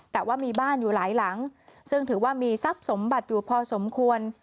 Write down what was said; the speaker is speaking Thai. แต่ว่ามีบ้านอยู่หลายหลังซึ่งถือว่ามีทรัพย์สมบัติอยู่พอสมควร